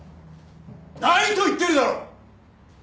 ないと言ってるだろ！